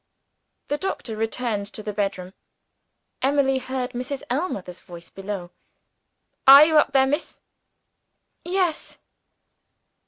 The doctor returned to the bedroom. Emily heard Mrs. Ellmother's voice below. "Are you up there, miss?" "Yes."